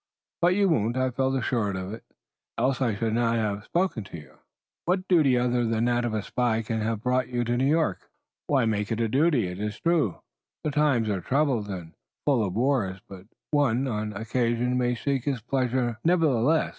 "But you won't. I felt assured of it, else I should not have spoken to you." "What duty, other than that of a spy, can have brought you to New York?" "Why make it a duty? It is true the times are troubled, and full of wars, but one, on occasion, may seek his pleasure, nevertheless.